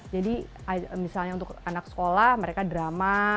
jadi misalnya untuk anak sekolah mereka drama